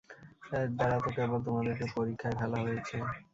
এর দ্বারা তো কেবল তোমাদেরকে পরীক্ষায় ফেলা হয়েছে।